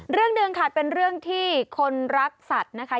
เรื่องหนึ่งค่ะเป็นเรื่องที่คนรักสัตว์นะคะ